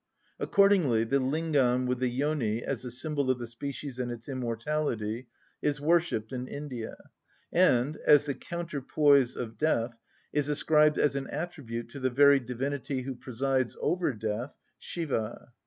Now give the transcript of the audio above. Accordingly the Lingam with the Yoni, as the symbol of the species and its immortality, is worshipped in India, and, as the counterpoise of death, is ascribed as an attribute to the very divinity who presides over death, Siva.